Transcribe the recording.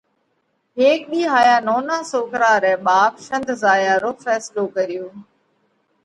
هيڪ ۮِي هائيا نونا سوڪرا رئہ ٻاپ شنڌ زايا رو ڦينصلو ڪريو۔